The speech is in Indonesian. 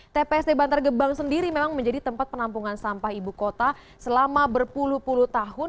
tpst bantar gebang sendiri memang menjadi tempat penampungan sampah ibu kota selama berpuluh puluh tahun